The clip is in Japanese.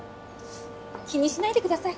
気にしないでください。